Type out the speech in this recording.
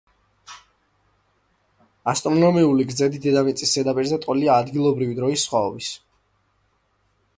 ასტრონომიული გრძედი დედამიწის ზედაპირზე ტოლია ადგილობრივი დროის სხვაობას.